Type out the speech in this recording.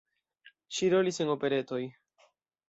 Ŝi rolis en operetoj.